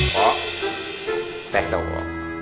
pok teh dong pok